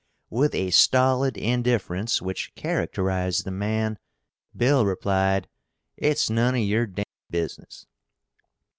With a stolid indifference which characterized the man, Bill replied: "It's none of your d d business."